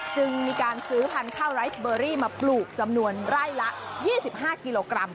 จึงมีการซื้อพันธุ์ข้าวไรสเบอรี่มาปลูกจำนวนไร่ละ๒๕กิโลกรัม